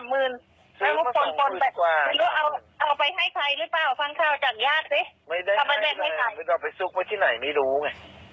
ฟังข้าวจากญาติสิเราไปซุกไปที่ไหนไม่รู้ไง